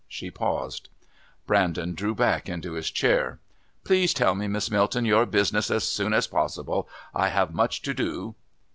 She paused. Brandon drew back into his chair. "Please tell me, Miss Milton, your business as soon as possible. I have much to do."